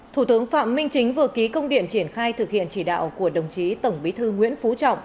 thủ tướng phạm minh chính vừa ký công điện triển khai thực hiện chỉ đạo của đồng chí tổng bí thư nguyễn phú trọng